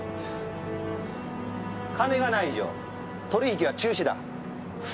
金がない以上取引は中止だ。